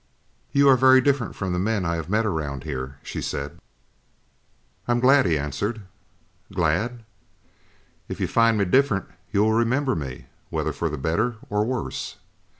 "You are very different from the men I have met around here," she said. "I am glad," he answered. "Glad?" "If you find me different, you will remember me, whether for better or worse."